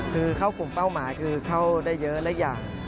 คือเข้ากลุ่มเป้าหมายคือเข้าได้เยอะและอย่าง